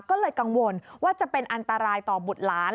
ก็เลยกังวลว่าจะเป็นอันตรายต่อบุตรหลาน